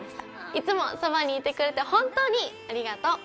いつもそばにいてくれて本当にありがとう！